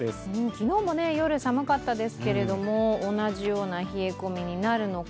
昨日も夜、寒かったですけど同じような冷え込みになるのか。